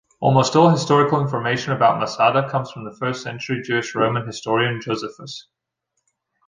Almost all historical information about Masada comes from the first-century Jewish Roman historian Josephus.